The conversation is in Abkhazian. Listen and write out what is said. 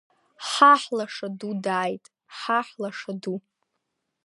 Ҳаҳ лаша ду дааит, ҳаҳ лаша ду!